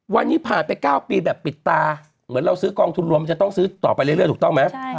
วันนี้ผ่านไป๙ปีแบบปิดตาเหมือนเราซื้อกองทุนรวมจะต้องซื้อต่อไปเรื่อยถูกต้องไหม